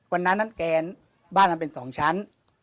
วันนั้นนั้นแกนบ้านมันเป็น๒ชั้น